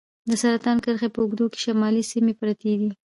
د سرطان کرښې په اوږدو کې شمالي سیمې پرتې دي.